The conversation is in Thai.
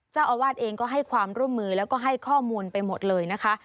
เจ้าอาวาสเองก็ให้ความร่วมมือแล้วก็ให้ข้อมูลไปหมดเลยนะคะ